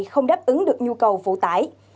không đáp ứng được nhu cầu phụ tải